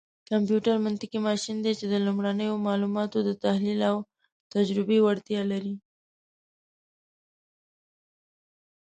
کمپيوټر منطقي ماشين دی، چې د لومړنيو معلوماتو دتحليل او تجزيې وړتيا لري.